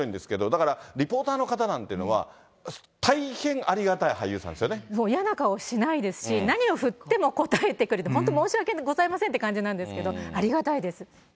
だから、リポーターの方なんていうのは、大変ありがたい俳優さんですよね。もう、嫌な顔しないですし、何を振っても答えてくれて、本当に申し訳ございませんっていう感じなんですけど、ありがたいです。